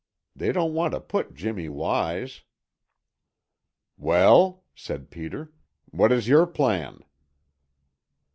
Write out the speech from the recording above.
They don't want to put Jimmy wise." "Well?" said Peter. "What is your plan?"